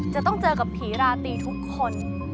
จะต้องเจอกับผีราตรีทุกคน